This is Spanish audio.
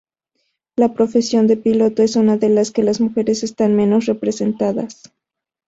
La profesión de piloto es una de las que las mujeres están menos representadas.